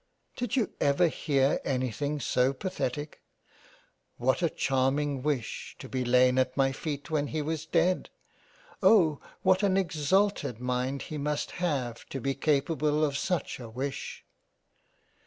" Did you ever hear any thing so pathetic ? What a charm ing wish, to be lain at my feet when he was dead ! Oh ! what an exalted mind he must have to be capable of such a wish